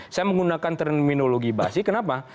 saya menggunakan terminologi basi kenapa